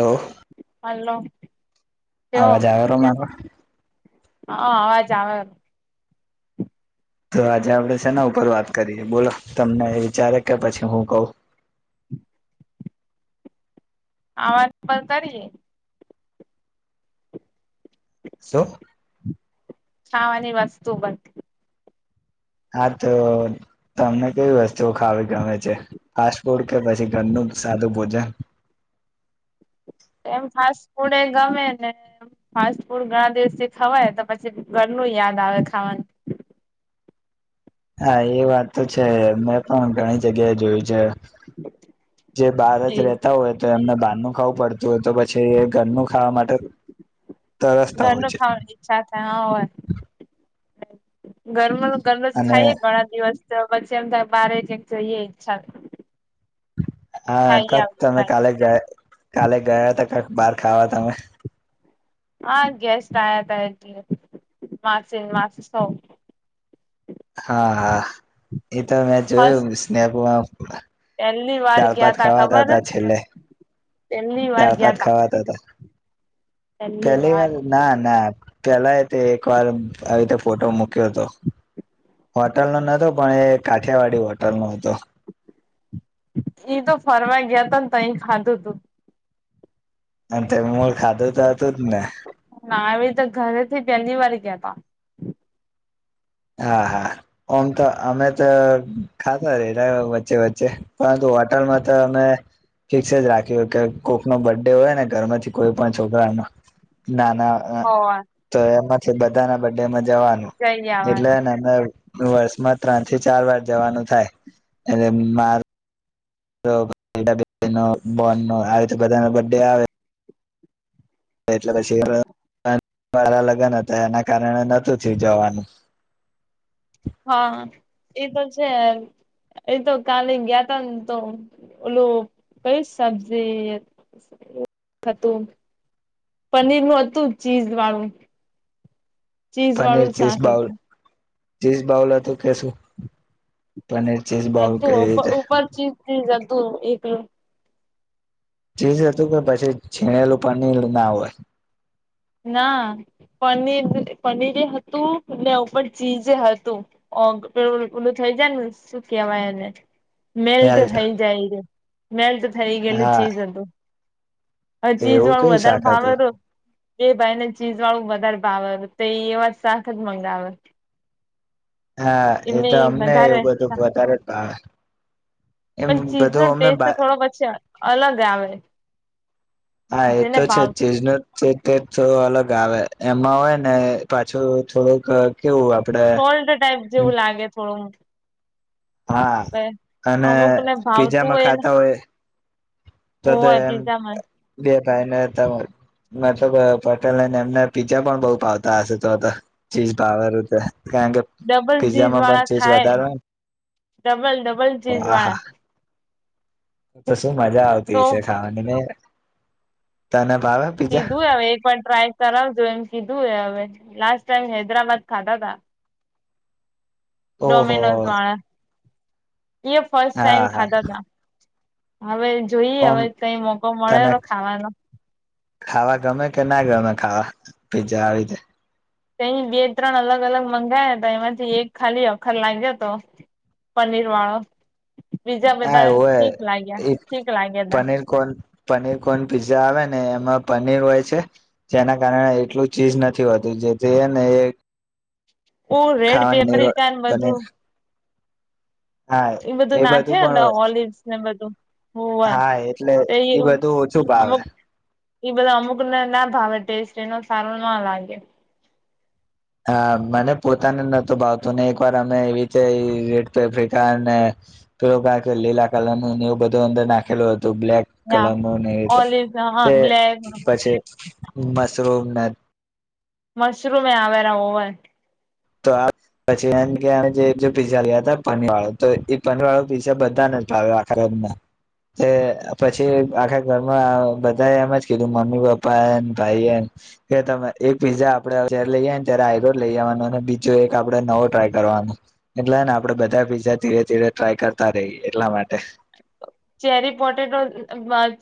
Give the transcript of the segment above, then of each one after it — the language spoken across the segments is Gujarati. Hello hello. અવાજ આવે તમારો? હા અવાજ આવે. તો આજે આપડે શેના ઉપર વાત કરીએ બોલો તમને એ વિચારે કે પછી હું કઉં? [inaudible] આ વાત પર કરીએ. શું? ખાવાની વસ્તુ બધ હા તો તમને કેવી વસ્તુઓ ખાવી ગમે છે. ફાસ્ટ ફૂડ કે પછી ઘરનું સાદું ભોજન. એમ ફાસ્ટ ફૂડ એ ગમેને ફાસ્ટ ફૂડ ઘણા દિવસથી ખવાય તો પછી ઘર નુ યાદ આવે ખાવાનું. હા, એ વાત તો છે મેં પણ ઘણી જગ્યાએ જોયું છે. જે બહાર જ રેતા હોય તો એમને બહારનું ખાવું પડતું હોય તો પછી એ ઘરનું ખાવા માટે તરસતા હોય ઘરનું છે ખાવાની ઈચ્છા થાય હા હોય. [unintelligible] ઘરનું નું ઘરનું જ અને ખાઈએ ઘણા દિવસ તો પછી એમ થાય બારે જક જઈએ ઈચ્છા હા, ખાઈ કાક આવી તમે થાય કાલે ગયા, કાલે ગયા તા કાક બાર ખાવા તમે? હા, ગેસ્ટ આયા તા એટલે. માસી ને માસી સો હા હા એ તો મેં જોયું ફસ્ટ સ્નેપો પહેલી વાર દાળ ગયા ભાત તા ખાવાતા ખબર હે હતા છેલ્લે. પહેલી વાર દાળ ગયા ભાત તા ખાવાતા હતા. પહેલી વાર ના ના પેલા એતે એક વાર આવી રીતે ફોટો મુક્યો તો. હોટલનુ નતું પણ એ કાઠિયાવાડી હોટલનો હતો. એ તો ફરવા ગયા તો તય ખાધું તું અને તે મુળ ખાધું તો હતું જ ને ના આવી રીતે ઘરેથી પહેલી વાર ગીયાતા હા હા ઓમ તો અમે તો ખાતા રેટ વચ્ચે વચ્ચે પરંતુ હોટલમાં તો અમે ફિક્સ જ રાખીએ કે કોકનો બર્થડે હોયને ઘરમાંથી કોઈપણ છોકરાનો ના ના હોવા તો એમાંથી બધા ના બડેમાં જવાનું જઈ એટલે આવવાની હેને મે વર્ષમાં ત્રણથી ચાર વાર જવાનું થાય એટલે માર તો [inaudible] બેનો બનનો આવી તો બધાનો બડે આવે એટલે પછી મારા લગ્ન હતા એના કારણે નતું થીયુ જવાનું [inaudible] હા એ તો છે. એતો કાલે ગયા ત ને તો ઓલું. કઈ સબજી હતું. પનીર નું હતું ચીઝ વાળું. ચીઝ પનીર વાળું ચીઝ શાક બાઉલ હતું. ચીઝ બાઉલ હતો કેશુ. હ તું ઉપર ચીઝ ચીજ હતું. ચીજ હતું કે પછી [inaudible] પનીર ના હોય ના પનીર પનીરે હતું ને ઉપર ચીઝ એ હતું. ઓલું થઈ જાય ને શું કહેવાય એને. મેલ્ટ થઈ જાય છે મેલ્ટ થઈ ગયેલું હા ચીજ હતું. હ ચીજ એવું વાળું કેવું વધારે શાક ભાવ હતું રૂ. એ ભાઈને ચીઝ વાળું વધારે ભાવે તો એ વાત શાક જ મંગાવે. હા એ એમને તો અમને એવું વધારે બધું વધારે જ ભાવે. એમ પણ ચીઝનોો બધું અમે ટેસ્ટ થોડો પછી અલગ આવે. હા એ તો જેને છે ભાવ ચીજનો જે ટેસ્ટ થોડો અલગ આવે. એમાં હોય ને પાછો થોડુંક કેવું આપડે ઓલ્ડ ટાઈપ જેવું લાગે થોડું હા અને અમુક ને ભાવતું પીઝામાં ને ખાતા હોય તો તો હોય એમ પીઝામાં બે ભાઈને હતા મતલબ પટેલ અને એમ ને પીજા પણ બઉ ભાવતા હશે તો તો ચીજ ભાવેરું તોતોહ કારણ કે ડબલ ચીઝ પીઝામાં પણ વાળા ચીજ વધારો ખાય હોય ડબલ ડબલ જીસ ને આ હા વાળા તો શું મજા તો આવતી છે ખાવાની નઈ કીધું હવે એક વાર ટ્રાય કરાવજો એમ કીધું હ હવે લાસ્ટ ટાઈમ હૈદરાબાદ ખાતા તા. ઓહો ડોમિનોોઝ વાળા. એ ફસ્ટ ટાઈમ હા હા ખાતા તા હવે. જોઈએ ઓમ હવે કઈ મોકો તને મળેલો ખાવાનો ખાવા ગમે કે ના ગમે. આ પી્જા આવી ગયા. બે ત્રણ અલગ અલગ મંગયા હતા એમાંથી એક ખાલી અખર લાગયો તો. પનીર વાડો. હા એવું હ એક ઠીક લાગ્યા તા paneer corn paneer corn pizza આવે ને. એમાં પનીર હોય છે જેના કારણે એટલું ચીજ નથી હોતું જેથી હે ને એ. હું રેડ ખાવાની પેપરિકા ને પનીર બધું. હા એ બધું નાખે ઓલિવસ ને બધું. હોવે હા એટલે તે એ બધું ઓછું ભાવે. અમુક એ બધા અમુકને ના ભાવે ટેસ્ટ એનો સારો ના લાગે, હા મને પોતાને નતો ભાવતું ને એક અમે વાર અમે એવી રીતે રેડ પેફ્રિકા ને. થોડું લીલા કલર નું એવું બધું અંદર નાખેલું હતું બ્લેક ના કલરમાં નેટ ઓલિવ હા તે બ્લેક પછી મશરૂમ ન મશરૂમ એ આવેલા ઓવન તો આ પછી એ કે જે પીઝા લે ત પનીર વાળો તો એ પનીર વાળો પીઝા બધા [unintelligible] ભાયો આખા ઘરને તે પછી આખા ઘરમાં બધાએ એમ જ કીધું મમ્મી પપ્પા એને ભાઈ ને કે તમે એક પીઝા આપડે જ્યારે લઈ આવી ને ત્યારે આઈડો લઈ આવનો તે બીજું એક આપડે નવો ટ્રાય કરવાનું એટલેને આપડે બધા પીઝા ધીરે ધીરે ટ્રાય કરતા રહીએ એટલા માટે ચેરી પોટેટો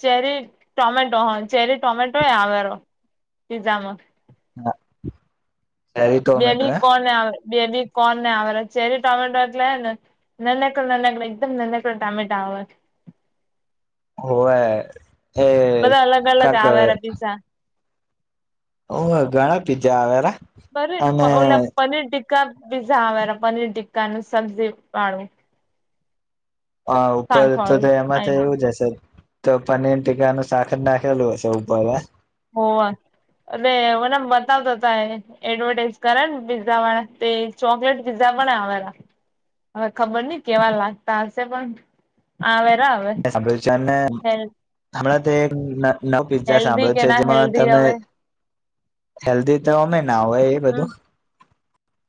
ચેરી ટોમેટો હા ચેરી ટોમેટો એ આવેરો પિઝામાં હા. બેલી કોને આવે [unintelligible] ચેરી ટમેટો એટલે નંનકડુ એકદમ નંનકડુ ટમેટો આવે આવે. હોવે કે બધા અલગ અલગ કાક આવેરા પીઝા ઓ ઘણાં પીઝા આવેરા [unintelligible] ક પીઝા આવેરા પનીર ટીકા નું સબ્જી વાળું. આ ઉપર શાક તો તે વાળું એમાંથી એવું જ તો પનીર ટીકાનું શાક નાખેલું હશે ઉપર હોવા [unintelligible] એડવર્ટાઈઝ કરે ને પીઝ્ઝા વાળા તે ચોકલેટ પીઝા આવેલા અવે ખબર નહી કેવા લાગતા હશે પણ આવે એ [unintelligible] નવ પિઝા હેલ્ધી સાંભળ્યો કે છે. ના જેમાં હેલ્ધી તમે હવે હેલ્ધી તો અમે ના હોય એ હમ બધું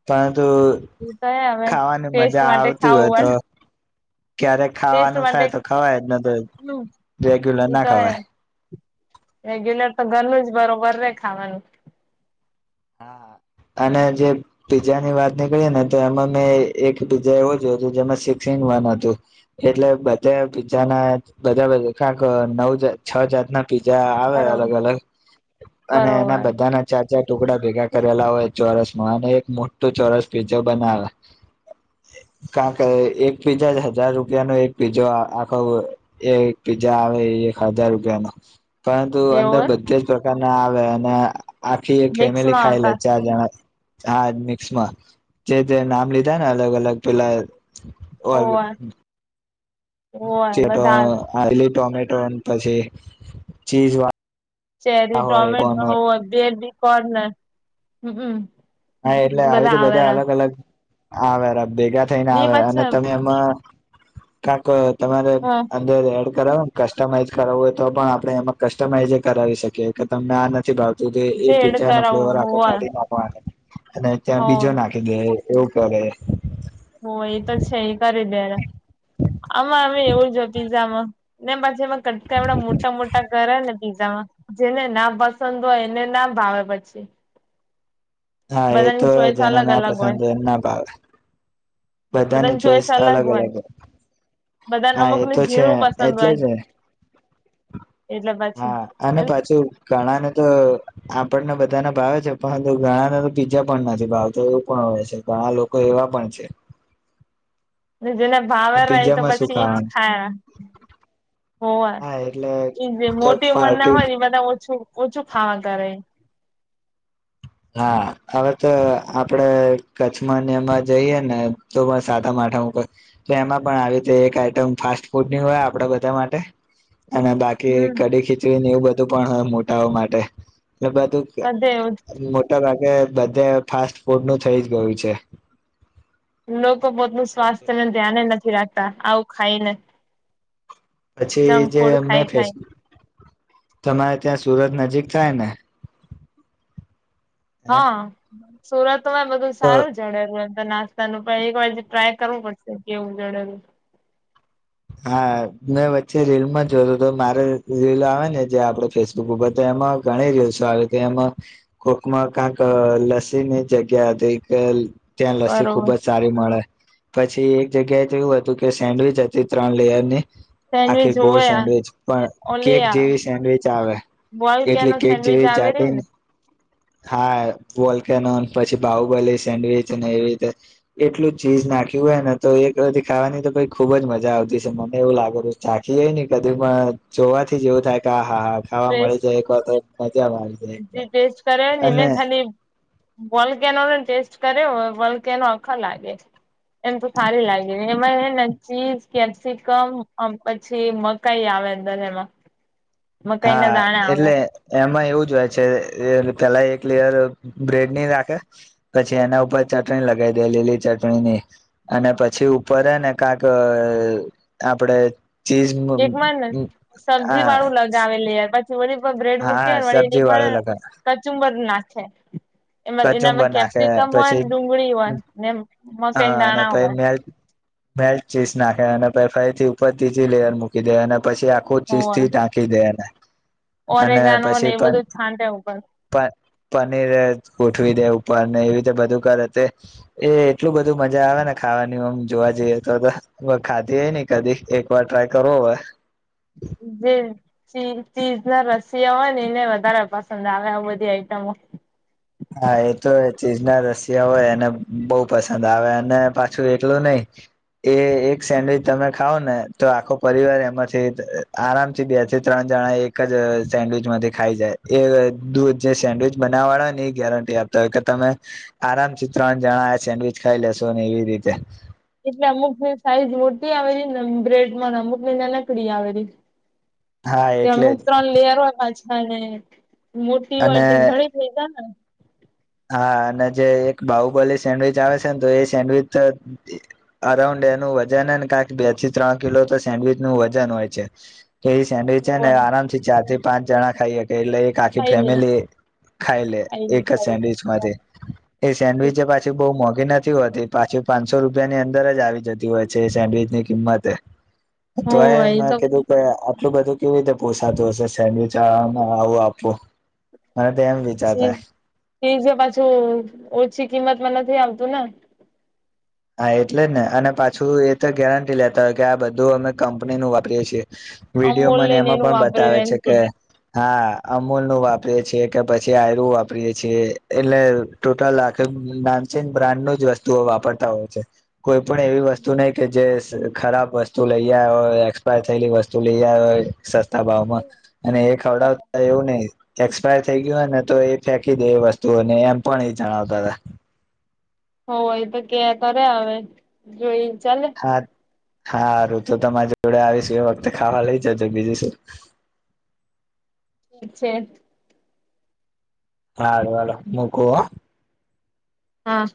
પણ તું ઈ તો હે હવે ખાવાની ટેસ્ટ મજા માટે આવતી હોય ખાવું તો પડે ક્યારેક ટેસ્ટ ખાવાનું માટે થાય તો ખવાય જ નથી હમ રેગ્યુલર ઈ ના તો હે ખવાય. રેગ્યુલર તો ઘરનું જ બરોબર રે ખાવાનું. હા. અને જે પીઝા ની વાત નીકળી ને તો એમાં મેં એક પીઝા એવો [unintelligible] હતું. એટલે બધે પિઝા ના બધા [unintelligible] છ જાતના પીઝા આવે બરોબર અલગ અલગ. અને એના બરોબર બધાના ચાર ચાર ટુકડા ભેગા કરેલા હોય ચોરસ માં અને એક મોટું ચોરસ પીઝો બનાવે. કારણ કે એક પીઝા હજાર રૂપિયાનો એક પીઝો આખો [unintelligible] પીઝા આવે એક હજાર રૂપિયાનો પરંતુ અંદર એવું એમ બધે જ પ્રકારના આવે અને આખી એક ફેમિલી મિક્સમાં ખાઈ લે આવતા ચાર જણા હા મિક્સમાં જે તે નામ લીધા ને અલગ અલગ પેલા હોવે [unintelligible] હોવે બધા [unintelligible] આલી ટોમેટો પછી ચીઝ વા ચેરી ટોમેટો હો [unintelligible] હમ. હા એટલે આવી રીતે બધા અલગ અલગ આવે ભેગા થઈને ની આવે અને પાછા તમે એમાં કાક તમારે હ અંદર કસ્ટમાઈઝ કરાવું હોય તો પણ આપણે એમાં કસ્ટમાઈઝ કરાવી શકીએ કે તમને આ નથી ભાવ તો તે એ જેડ પિઝા નો કરાવું ફ્લેવર આખો હોવે કાઢી નાખવાનો અને ત્યાં બીજો હોવે નાખી દે એવું કરે. હું એ તો છે એ કરી દેને. આમાં અમે એવું જો પીઝામાં ને પછી એમાં કટકા મોટા મોટા કરે ને પિઝામાં જેને ના પસંદ હોય એને ના ભાવે પછી. હા, એ તો બધાની હોય. ચોઈસ જેને અલગ ના અલગ પસંદ હોય, એને ના ભાવે. બધાની ચોઈસ અલગ હોય. બધા હા અમુક એ ને તો છે ઝીણું પસંદ એટલે હોય. જ ને એટલે પછી હા, અને એમ પાછું ઘણા ને તો આપણને બધાને ભાવે છે, પરંતુ ઘણાને તો પિઝા પણ નથી ભાવ તું. એવું પણ હોય છે. આ લોકો એવા પણ છે. જેને ભાવે તો પીઝામાં શું પછી જ ખાવાનું ખાય. હા એટલે એ જે મોટી ઉંમર ના પાર્ટી હોય, એ બધા ઓછું-ઓછું ખાવા કરે છે. હા, હવે તો આપડે કચ્છમાંને એમાં જઈએ ને, તો તો એમાં પણ આવી રીતે એક આઈટમ ફાસ્ટ ફૂડ ની હોય, આપડા બધા માટે. અને બાકી હમ કઢી-ખીચડીને એવું બધું પણ હોય મોટાઓ માટે. એટલે બધું [unintelligible] મોટા ભાગે બધે ફાસ્ટ ફૂડ નું થઈ જ ગયું છે. લોકો પોતનું સ્વાસ્થ્યને ધ્યાને નથી રાખતા આવું ખાઈને. પછી જંક જે ફૂડ અમને ખાઈ ખાઈ ફેસ, તમારે? ત્યાં સુરત નજીક થાય ને હે હા, સુરતમાં બધું તો સારું જડે છે. નાસ્તાનું પણ એક વાર હજી ટ્રાય કરવું પડશે કેવું જડેલું. હા, મેં વચ્ચે રીલ માં જોતો તો મારે રીલ આવે ને, જે આપડે ફેસબુક ઉપર તો એમાં ઘણી રિલસો આવી હતી. એમાં કોકમાં કાક લસ્સી ની જગ્યા હતી કે ત્યાં લસ્સી ખુબ બરોબર જ સારી મળે. પછી એક જગ્યાએ તો એવું હતું કે, સેન્ડવીચ ત્રણ લેયરની આખી સેન્ડવીચ ગોડ હોયા સેન્ડવીચ પણ, ઓલી કેક આ જેવી સેન્ડવીચ આવે. બોલ એટલે કેનો કેક સેન્ડવીચ જેવી આવે રહી જાડી, ને? હા, બોલ. પછી બાહુબલી સેન્ડવીચ‌ ને એવી રીતે એટલું ચીઝ નાખ્યું હોય ને, તો એક ખાવાની તો કંઈ ખુબ જ મજા! આવતી હશે, મને એવું લાગે. ચાખીય કદી, પણ જોવાથી જ એવું થાય કે, અહીંયા! હા, ખાવા મળી ટેસ્ટ જાય એક વાર તો. મજામાં આવી જાય એકદમ ટેસ્ટ કરીએ ને તો અને ખાલી વોલ્કેનો નો ટેસ્ટ કર્યો. વોલ્કેનો આખા લાગે. એમ તો સારી લાગે ને, એમાંય હેને ચીઝ, કેપ્સિકમ અમ પછી મકાઈ આવે. અંદર એમાં મકાઈ ના હા, દાણા આવે એટલે એમાં એવું જ હોય. છે, પહેલા એક લેયર બ્રેડ ની રાખે. પછી એના ઉપર ચટણી લગાય દે. લીલી ચટણીની, અને પછી ઉપર એને કાક અઅઅ આપડે ચીઝ, અ હા. લાવેલી હ, પછી ઓની પર બ્રેડ મૂકે, વળી સબ્જી એની પર વાળું લગન કચુંબર નાખે. એમાં, કચુંબર એનામાં નાખે કેપ્સિકમ હોય, ડુંગળી હોય એમ. હા, અને પઇ મેલ મેલ ચીઝ નાખે અને પઇ ફરીથી ઉપર તીજી લેયર મૂકી દે અને પછી આખું ચીઝ હોવે થી ઢાંકી દે એને. અને ઓરેગાનો ને પછી એ પન બધું છાંટે ઉપર પન પનીર ગોઠવી દેવું. પન એ બધું કર તે એ એટલું બધું મજા આવે ને ખાવાની, એમ જોવા જઈએ તો તો ખાધીય નઈ કદી. એક વાર ટ્રાય કરવું પડે. [unintelligible] જે ચી ચીઝ ના રસીયા હોય ને, એને વધારે પસંદ આવે આ બધી આઈટમો. [unintelligible] હા, એ તો ચીજ ના રશિયા હોય એને બઉ પસંદ આવે, અને પાછું એટલું નહીં. એ એક સેન્ડવીચ તમે ખાવો ને, તો આખો પરિવાર એમાંથી આરામ થી બે થી ત્રણ. જણા એક જ સેન્ડવીચ માથી ખાઈ જાય, એ દૂધ જે સેન્ડવીચ બનાવા વાળા હોય. ગેરંટી આપતા હોય કે તમે આરામથી ત્રણ જણા‌ આ સેન્ડવીચ ખાઈ લેશો ને એવી રીતે એટલે અમુકની સાઈઝ મોટી આવેલી બ્રેડમાં ન અમુકની નાનકડી આવેલી હા તે એટલે અમુક જ ત્રણ લેયર હોય પાછ [unintelligible] મોટી હોય અને [unintelligible] ઘણી [unintelligible] હા અને જે એક બાહુબલી સેન્ડવીચ આવે છે ન તો એ સેન્ડવીચ તો અરાઉન્ડ એનો વજન [unintelligible] બેથી ત્રણ કિલો તો સેન્ડવીચ નું વજન હોય છે એ સેન્ડવીચ છેન હોવે આરામથી ચાર થી પાંચ જણા ખાઈ એટલે એક આખી ખાઈ લે ફેમિલી ખાય લે ખાઈને એક જ ખાઈને સેન્ડવીચ એ સેન્ડવીચે પાછી બઉ મો એ નથી હોતી પાછી પાંચસો રૂપિયાની અંદર જ આવી જતી હોય છે એ સેન્ડવીચ ની કિંમત. તો એ હોય મે તો કીધું કે એટલું બધું કેવી રીતે પોસાતુ હશે સેન્ડવીચ આવું આપવું- મને તો એમ વિચાર થાય ઠીક છે પાછી ઓછી કિંમત માં નથી આવતું ને. હા એટલે જ ને અને પાછું એ તો ગેરંટી લેતા હોય કે આ બધું અમે કંપની નું વાપરીએ છીએ. વિડીયો અમૂલ મને લઈને એમાં એનું પણ વાપર્યું બતાવે એમ છે. કે હા અમૂલ નું વાપરીયે છીએ કે પછી આયનુ વાપરીએે છીએ એટલે ટોટલ આખી નામચેન બ્રાન્ડ ની જ વસ્તુઓ વાપરતા તા હોય છે. કોઈ પણ એવી વસ્તુ નહી કે જે ખરાબ વસ્તુ લઈ આવ્યા હોય એક્સપાયર થયેલી વસ્તુઓ વસ્તુ લઈ આવ્યા હોય સસ્તા ભાવમાં અને એ ખવડાવતા એવું નહીં. એક્સપાયર થઈ ગયું હોય ને તો એ ફેંકી દે એ વસ્તુને એમ પણ એ જણાવતા હતા. હો એય તો કે કરે હવે જોઈ ચાલે. હા હારું તો તમારી જોડે આવીશું એ વખતે ખાવા લઈ જજો બીજું શું ઠીક છે. હા હારૂ હાલો મૂકો હો. હા